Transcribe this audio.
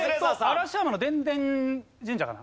嵐山の電電神社かな？